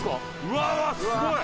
うわうわすごい！